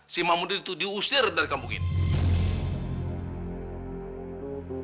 si mahmudin itu diusir dari kampung ini